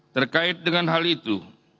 terkait dengan hal itu